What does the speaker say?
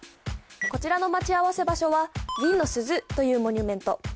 こちらの待ち合わせ場所は銀の鈴というモニュメント